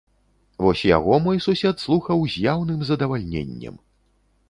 Вось яго мой сусед слухаў з яўным задавальненнем.